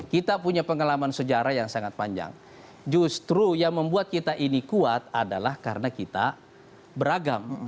kita punya pengalaman sejarah yang sangat panjang justru yang membuat kita ini kuat adalah karena kita beragam